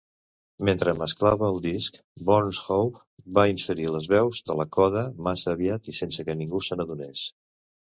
Mentre mesclava el disc, Bones Howe va inserir les veus de la coda massa aviat i sense que ningú se n'adonés.